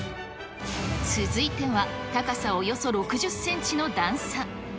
続いては高さおよそ６０センチの段差。